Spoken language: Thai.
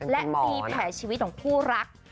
และมีแผลชีวิตของคู่รัก